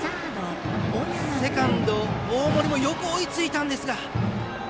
セカンド大森もよく追いついたんですが。